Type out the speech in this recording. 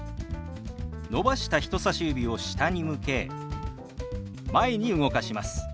伸ばした人さし指を下に向け前に動かします。